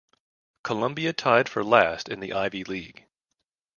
Columbia tied for last in the Ivy League.